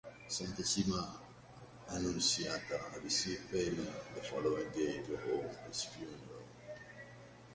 Santissima Annunziata received payment the following day to hold his funeral.